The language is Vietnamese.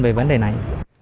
về vấn đề này